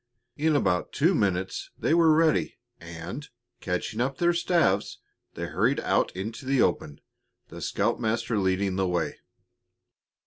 In about two minutes they were ready, and, catching up their staves, they hurried out into the open, the scoutmaster leading the way.